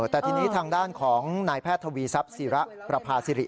แต่ทีนี้ทางด้านของนายแพทย์ทวีทรัพย์ศิระประพาสิริ